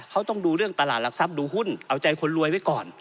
เขาต้องดูเรื่องตลาดหลักทรัพย์ดูหุ้นเอาใจคนรวยไว้ก่อน